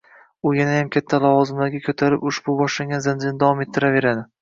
U yanayam katta lavozimlarga ko‘tarilib, ushbu boshlangan zanjirni davom ettiraveradi.